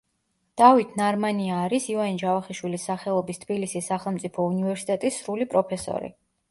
დავით ნარმანია არის ივანე ჯავახიშვილის სახელობის თბილისის სახელმწიფო უნივერსიტეტის სრული პროფესორი.